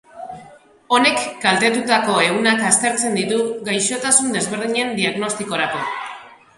Honek kaltetutako ehunak aztertzen ditu gaixotasun desberdinen diagnostikorako.